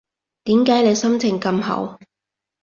點解你心情咁好